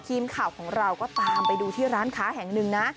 ทีมข่าวของเราก็ตามไปดูที่ร้านค้าแห่งหนึ่งนะ